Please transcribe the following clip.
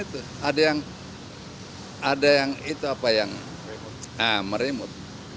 tapi ada yang merimut